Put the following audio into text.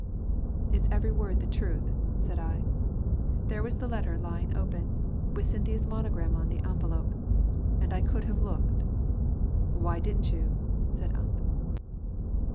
"It's every word the truth," said I. "There was the letter lying open, with Cynthia's monogram on the envelope, and I could have looked." "Why didn't you?" said Ump.